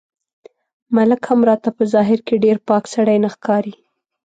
ملک هم راته په ظاهر کې ډېر پاک سړی نه ښکاري.